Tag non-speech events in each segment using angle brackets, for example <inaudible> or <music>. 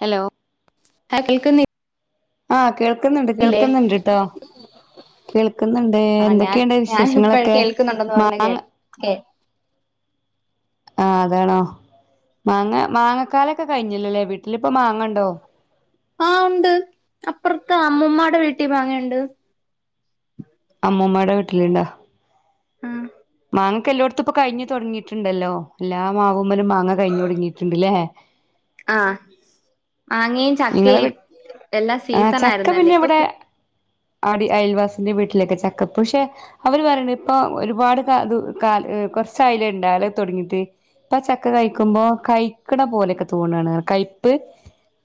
Hello. ഹ കേൾക്ക്ന്ന് ആഹ് കേൾക്ക്ന്ന്ണ്ട് കേൾക്ക്ന്ന്ണ്ട് ട്ടോ. കേൾക്ക്ന്ന്ണ്ട് ആ ഞാൻ എന്തൊക്കെണ്ട് വിശേഷങ്ങളൊക്കെ മാ ഏഹ് ആ അതാണോ മാങ്ങ മാങ്ങക്കാലൊക്കെ കഴിഞ്ഞില്ലല്ലേ വീട്ടിലിപ്പ മാങ്ങ ണ്ടോ. ആഹ് ഉണ്ട് അപ്പുറത്തെ അമ്മുമ്മമാടെ വീട്ടിൽ മാങ്ങയിണ്ട്. അമ്മൂമ്മാടെ വീട്ടില്ണ്ടോ. ആഹ്. മാങ്ങക്ക എല്ലോടത്തുംപ്പൊ കഴിഞ്ഞ് തൊടങ്ങീട്ട്ണ്ടല്ലോ എല്ലാ മാവൂമ്മലും മാങ്ങ കഴിഞ്ഞൊട്ങ്ങീട്ട്ണ്ട്ലെ. ആഹ് മാങ്ങീ നിങ്ങളെ ചക്കീം, വീ എല്ലാ സീസൺ ആയിരുന്നല്ലേ ഇപ്പൊ ആടി അയൽവാസിന്റെ വീട്ടിലേക്ക് ചക്ക പക്ഷെ അവര് പറയണ ഇപ്പൊ ഒരുപാട് ക ത് കാൽ കുറച്ചായാല് ണ്ടായല് തുടങ്ങിട്ട് ഇപ്പോ ചക്ക കഴിക്കുമ്പോ കയിക്ക്ണ പോലെക്കെ തോന്നാണ്കൈപ്പ്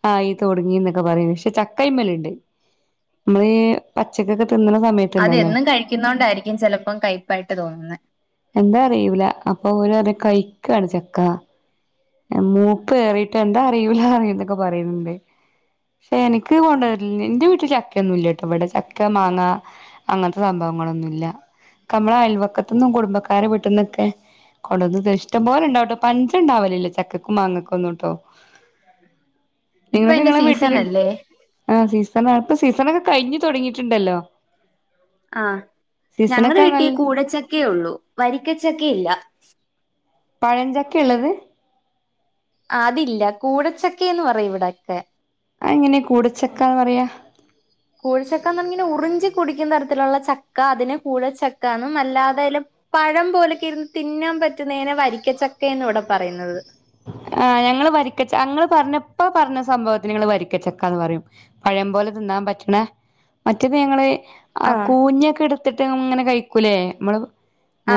ആ ഈ തുടങ്ങി എന്നൊക്കെ പറയും. പക്ഷെ ചക്കയ്മലിണ്ട് മ്മള് പച്ചക്കൊക്കെ തിന്നണ സമയ അത് എന്നും കഴിക്കുന്നോണ്ടായിരിക്കും ചിലപ്പം കയ്പപ്പായിട്ട് തോന്നുന്നെ. എന്താ അറിയൂല അപ്പൊ ഓര് പറയും കയിക്കാണ് ചക്ക. മൂപ്പേറിട്ട് എന്താ അറിയൂലാ എന്തൊക്കെ പറിയിണ്ട്. ഷെ എനിക്ക് കൊണ്ടുവരല് എന്റെ വീട്ടില് ചക്ക ഒന്നും ഇല്ല ട്ടോ ഇവിടെ ചക്ക, മാങ്ങ അങ്ങൻത്തെ സംഭവങ്ങളൊന്നുല്ല. ക്കമ്മളെ അയൽവക്കത്ത്ന്നും കുടുംബക്കാരെ വീട്ടിന്നൊക്കെ കൊണ്ടോന്ന് ത ഷ്ടം പോലെ ഉണ്ടാവട്ടോ പഞ്ചണ്ടാവലില്ല ചക്കയ്ക്കും മാങ്ങക്കൊന്നും ട്ടോ. ഇപ്പൊ ഇവത് അയിന്റെ ങ്ങളെ സീസൺ വീട്ടില് അല്ലേ ആ സീസൺ ഇപ്പൊ സീസണൊക്കെ കഴിഞ്ഞു തുടങ്ങിട്ട്ണ്ടല്ലോ? ആഹ് ഞങ്ങടെ സീസണൊക്കെ വീട്ടിൽ നല്ല കൂഴച്ചക്കേ ഉള്ളൂ വരിക്കച്ചക്കയില്ല. പഴഞ്ചക്കെള്ളത്? ആതില്ല കൂടച്ചക്കേന്ന് പറയും ഇവിടൊക്കെ. അഎങ്ങനെ കൂടച്ചക്കാ വറയാ? കൂഴച്ചക്കന്ന് നിങ്ങനെ ഉറിഞ്ചി കുടിക്കുന്ന തരത്തിലുള്ള ചക്ക അതിന് കൂഴച്ചക്കന്നും അല്ലാതെയ്ൽ പഴം പോലൊക്കെ ര്ന്ന് തിന്നാൻ പറ്റുന്നയ്നെ വരിക്കച്ചക്കന്ന് ഇവിടെ പറയുന്നത്. ആ ഞങ്ങള് വരിക്കച്ച ഞങ്ങൾ പറഞ്ഞ ഇപ്പ പറഞ്ഞ സംഭവത്തിന് ങ്ങള് വരിക്കച്ചക്കാന്ന് പറയും. പഴം പോലെ തിന്നാൻ പറ്റണ മറ്റേത് ഞങ്ങള് ആ ആഹ് കൂഞ്ഞിയൊക്കെ എടുത്തിട്ട് ങ്ങനെ കഴിക്കൂലേ മ്മള്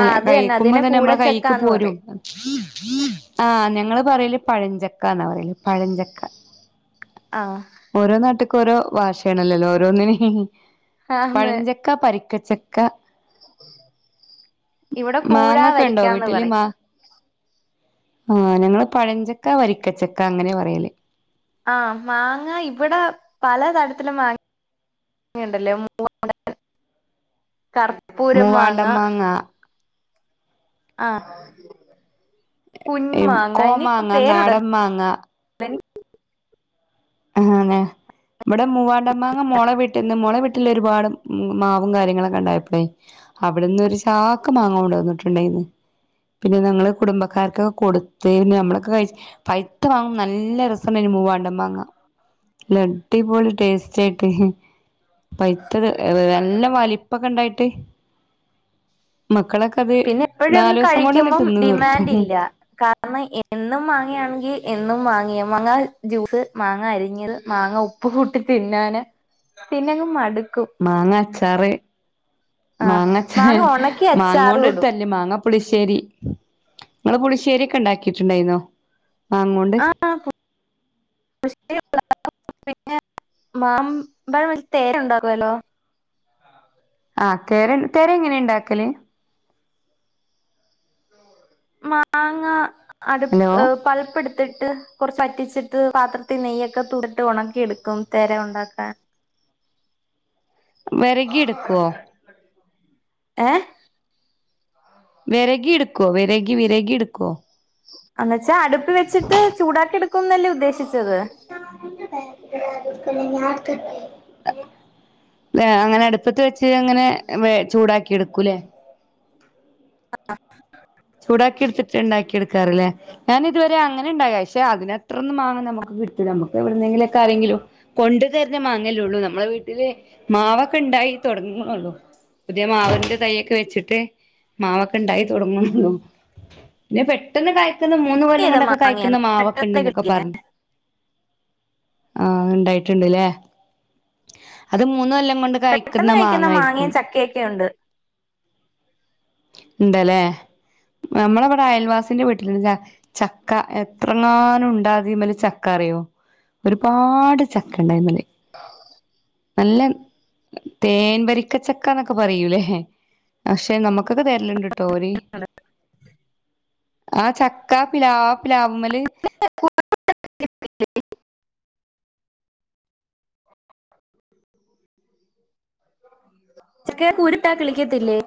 ആഹ് അത് കഴിക്കുമ്പോ അതിനെ തന്നെ നമ്മളേ കൈക്ക് കൂഴച്ചക്കാന്ന് പോരും. പറയും ആഹ് ഞങ്ങള് പറയല് പഴഞ്ച ക്കന്നാ പറയല് പഴഞ്ചക്ക. ആഹ് ഓരോ നാട്ട്ക്ക് ഓരോ വാഷയാണല്ലോല്ലോ ഓരോന്നിന് ഹി ഹി ആന്ന് പഴഞ്ച ക്ക പരിക്കച്ചക്ക ഇവിടെ കൂഴാ മാങ്ങക്ക ണ്ടോ വരിക്കാന്ന് വീട്ടില്? പറയും മാ ആഹ് ഞങ്ങള് പഴഞ്ചക്ക, വരിക്കച്ചക്ക അങ്ങനെയാ പറയല്. ആഹ് മാങ്ങ ഇവിടെ പല തരത്തില മാങ്ങ ങ്ങ ണ്ടല്ലേ മൂവാണ്ടൻ, കർപ്പൂര മാങ്ങ ആഹ് <unintelligible> മാങ്ങ അതിനൊക്കെ കോമാങ്ങ പേരു നാടൻ മാങ്ങ <unintelligible> ഇവിടെ മൂവാണ്ടൻമാങ്ങ മോളെ വീട്ടിന്ന് മോളെ വീട്ടിൽ ഒരുപാട് ഉം മാവും കാര്യങ്ങളൊക്കെ ഉണ്ടായപ്പോഴെ അവിടുന്ന് ഒരു ചാക്ക് മാങ്ങ കൊണ്ടു വന്നിട്ടുണ്ടായിരുന്നു പിന്നെ ഞങ്ങള് കുടുംബക്കാർക്ക് കൊടു ത്ത് നമ്മളൊക്കെ കഴിച്ച് പഴുത്ത മാങ്ങ നല്ല രസം ഉണ്ടായിനി മൂവാണ്ടൻ മാങ്ങ. നല്ല അടിപൊളി ടേസ്റ്റായിട്ട് പഴുത്തത് നല്ല വലിപ്പ പ്പക്കെ ഉണ്ടായിട്ട്- മക്കളൊക്കെ അത് പിന്നെ എപ്പോഴും അങ്ങ് നാല്ദിവസം കൊണ്ട് തന്നെ കഴിക്കുമ്പം തിന്ന് തീർത്തു. ഡിമാൻഡ് ഇല്ല കാരണം എന്നും മാങ്ങയാണെങ്കിൽ എന്നും മാങ്ങയാ. മാങ്ങ ജ്യൂസ്, മാങ്ങ അരിഞ്ഞത്, മാങ്ങ ഉ ഉപ്പ്കൂട്ടി തിന്നാന് പിന്നങ്ങ് മടുക്കും. മാങ്ങ അച്ചാറ്, ആഹ് മാങ്ങച്ചാ മാങ്ങ ഉണക്കി മാങ്ങ അച്ചാറും ഇടും കൊണ്ടിട്ടല്ലേ മാങ്ങ പുളിശ്ശേരി. നിങ്ങള് പുളിശ്ശേരി ഒക്കെ ഉണ്ടാക്കിട്ടുണ്ടായിരുന്നോ മാങ്ങക്കൊണ്ട്? <unintelligible> <unintelligible> മാമ്പാഴം വെച്ച് <unintelligible> ഉണ്ടാക്കുവല്ലോ? ആഹ് കേരൻ <unintelligible> എങ്ങനെയാ ഉണ്ടാക്കല്? മാങ്ങ ഹലോ <unintelligible> പൾപ്പെടുത്ത് പ്പെടുത്തിട്ട് കൊറച്ച് വറ്റിച്ചിട്ട് പാത്രത്തിൽ നെയ്യൊക്കെ <unintelligible> ഉണക്കി എടുക്കും <unintelligible> ഉണ്ടാക്കാൻ വിരകി എടുക്കുവോ ഏഹ് വിരകി എടുക്കുവോ വിരകി വിരകി എടുക്കുവോ എന്ന് വച്ചാ അടുപ്പിവെച്ചിട്ട് ചൂടാക്കി എടുക്കുന്നല്ലേ ഉദ്ദേശിച്ചത് <unintelligible> അടുപ്പത്ത് വെച്ച് അങ്ങനെ വെ ചൂടാക്കി എടുക്കൂല്ലേ ചൂടാക്കി എടുത്തിട്ട് ഉണ്ടാക്കി എടുക്കാറില്ലേ ഞാൻ ഇതുവരെ അങ്ങനെ ഉണ്ടായ പക്ഷെ അതിനത്രോന്ന് മാങ്ങാ നമ്മുക്ക് കിട്ടില്ല നമ്മുക്ക് എവിടുന്നെങ്കിലൊക്കെ ആരെങ്കിലും കൊണ്ടു തരുന്ന മാങ്ങല്ലേ ഉള്ളൂ നമ്മളെ വീട്ടില് മാവൊക്കെ ഉണ്ടായി തുടങ്ങുന്നേ ഉള്ളൂ പുതിയ മാവിന്റെ തയ്യൊക്കെ വെച്ചിട്ട് മാവൊക്കെ ഉണ്ടായി തുടങ്ങുന്നു <unintelligible> പിന്നെ പെട്ടെന്ന് കായിക്കുന്ന മൂന്ന് കട്ട് കൊല്ലം ചെയ്ത കൊണ്ടൊക്കെ മാങ്ങയാ കായിക്കുന്ന മാവൊക്കെ പെട്ടെന്ന് ഉണ്ടെന്നൊക്കെ കിളിക്കുന്ന പറഞ്ഞു ആഹ് ഉണ്ടായിട്ടുണ്ട് അല്ലേ അത് മൂന്നുകൊല്ലം കൊണ്ട് കായിക്കുന്ന പെട്ടെന്ന് മാങ്ങ കഴിക്കുന്ന ആയിരിക്കും മാങ്ങയും ചക്കയൊക്കെ ഉണ്ട് ഉണ്ടല്ലേ നമ്മളവിടെ അയൽവാസിന്റെ വീട്ടിലുണ്ട് ചക്ക എത്രങ്ങാനും ഉണ്ടാതിമേല് ചക്ക അറിയോ ഒരുപാട് ചക്ക ഉണ്ട് <unintelligible> <inaudible> നല്ല തേൻ വരിക്കച്ചക്കന്നൊക്കെ പറയൂലേ പക്ഷെ നമ്മുക്കൊക്കെ തരലുണ്ട് ട്ടോ ഓര് <unintelligible> ആഹ് ചക്കാ പ്ലാവ് പ്ലാവിമേല് <unintelligible> <inaudible> ചക്കെടെ കുരു ഇട്ടാ കിളിക്കത്തില്ലേ